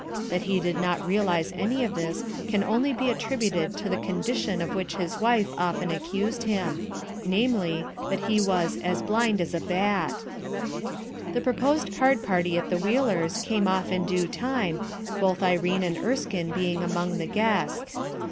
That he did D0 t realize any of this can only be attributed to the condition of which his wife often accused him; namely, that he was "as blind as a bat." The proposed card party at the Wheelers' came off in due time, both Irene and Erskine being among the guests.